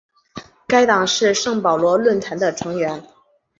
该党是圣保罗论坛的成员。